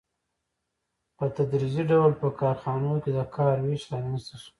په تدریجي ډول په کارخانو کې د کار وېش رامنځته شو